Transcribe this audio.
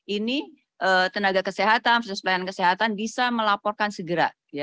ini tenaga kesehatan penyelesaian kesehatan bisa melaporkan segera